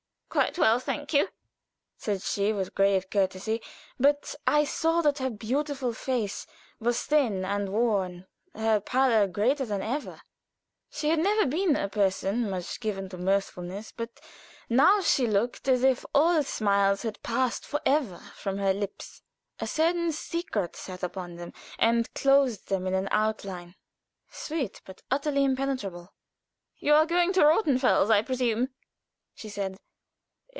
"Quite well, thank you," said she, with grave courtesy; but I saw that her beautiful face was thin and worn, her pallor greater than ever. She had never been a person much given to mirthfulness; but now she looked as if all smiles had passed forever from her lips a certain secret sat upon them, and closed them in an outline, sweet, but utterly impenetrable. "You are going to Rothenfels, I presume?" she said.